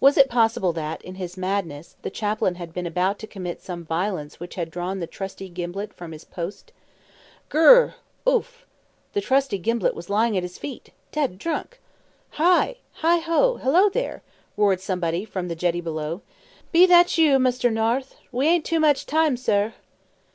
Was it possible that, in his madness, the chaplain had been about to commit some violence which had drawn the trusty Gimblett from his post? "Gr r r r! Ouph!" The trusty Gimblett was lying at his feet dead drunk! "Hi! Hiho! Hillo there!" roared somebody from the jetty below. "Be that you, Muster Noarth? We ain't too much tiam, sur!"